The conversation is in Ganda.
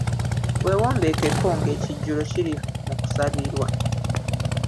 Wewombeekeko nga ekijjulo kiri mu kusabirwa